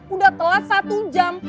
udah telat satu jam